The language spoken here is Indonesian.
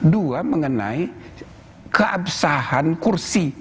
dua mengenai keabsahan kursi